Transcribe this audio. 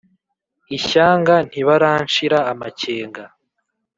Ishyanga ntibaranshira amakenga